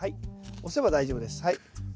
押せば大丈夫ですはい。